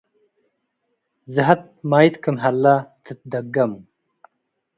ዘሀት ማይት ክም ሀለ ትትደገም።